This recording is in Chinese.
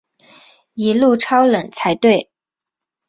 一路超冷才对